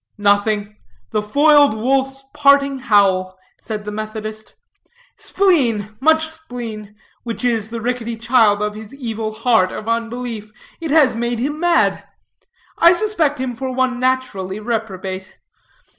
"Nothing; the foiled wolf's parting howl," said the Methodist. "Spleen, much spleen, which is the rickety child of his evil heart of unbelief: it has made him mad. I suspect him for one naturally reprobate.